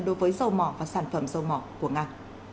đối với dầu mỏ và sản phẩm dầu mỏ của nga